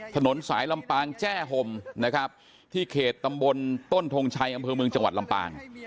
ถนนสายลำปางแจ้ห่มนะครับที่เขตตำบลต้นทงชัยอำเภอเมืองจังหวัดลำปาง